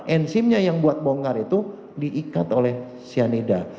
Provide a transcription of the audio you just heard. enzimnya yang buat bongkar itu diikat oleh cyanida